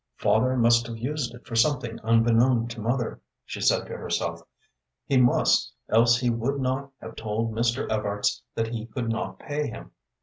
"Father must have used if for something unbeknown to mother," she said to herself "he must, else he would not have told Mr. Evarts that he could not pay him."